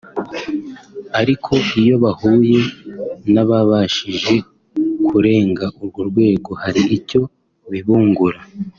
ariko iyo bahuye n’ababashije kurenga urwo rwego hari icyo bibungura